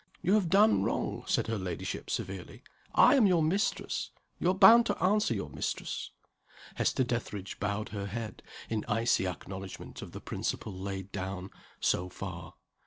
"You have done wrong," said her ladyship, severely. "I am your mistress. You are bound to answer your mistress " Hester Dethridge bowed her head, in icy acknowledgment of the principle laid down so far.